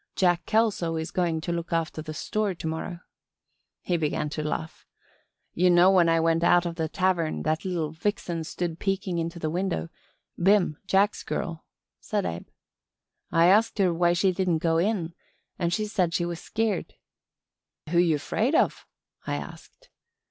Jack Kelso is going to look after the store to morrow." He began to laugh. "Ye know when I went out of the tavern that little vixen stood peekin' into the window Bim, Jack's girl," said Abe. "I asked her why she didn't go in and she said she was scared. 'Who you 'fraid of?' I asked.